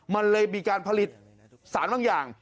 มันเลยมีการผลิตสารบางอย่าง